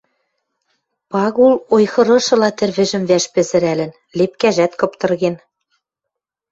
Пагул ойхырышыла тӹрвӹжӹм вӓш пӹзӹрӓлӹн, лепкӓжӓт кыптырген.